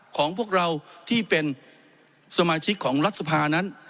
ของพวกเราที่เป็นสมาชิกของรัฐสภานั้น